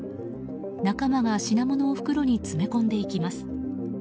仲間が品物を袋に詰め込んでいきます。